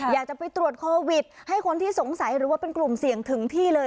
อยากจะไปตรวจโควิดให้คนที่สงสัยหรือว่าเป็นกลุ่มเสี่ยงถึงที่เลย